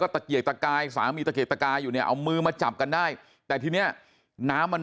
ตะเกียกตะกายสามีตะเกียกตะกายอยู่เนี่ยเอามือมาจับกันได้แต่ทีเนี้ยน้ำมัน